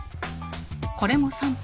これも３分。